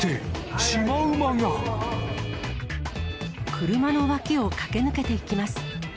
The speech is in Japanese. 車の脇を駆け抜けていきます。